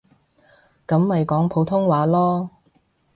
噉咪講普通話囉